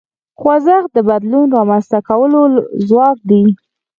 خوځښت د بدلون رامنځته کولو ځواک دی.